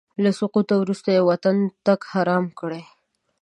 له سقوط وروسته یې وطن ته تګ حرام کړی.